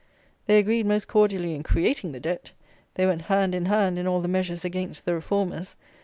They agreed most cordially in creating the Debt. They went hand in hand in all the measures against the Reformers.